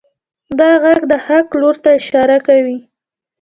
دا غږ د حق لور ته اشاره کوي.